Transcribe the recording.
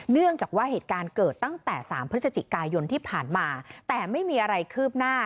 เนื่องจากว่าเหตุการณ์เกิดตั้งแต่๓พฤศจิกายนที่ผ่านมาแต่ไม่มีอะไรคืบหน้า